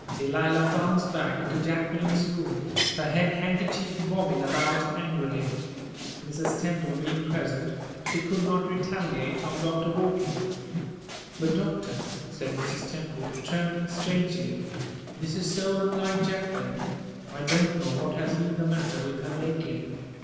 Delilah flounced back into Jacqueline's room, her head handkerchief bobbing about angrily. Mrs. Temple being present, she could not retaliate on Dr. Wortley. "But, doctor," said Mrs. Temple, trembling strangely, "this is so unlike Jacqueline. I don't know what has been the matter with her lately.